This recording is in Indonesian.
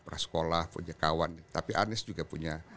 prasekolah punya kawan tapi anies juga punya